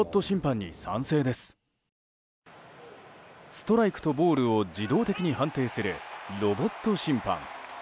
ストライクとボールを自動的に判定するロボット審判。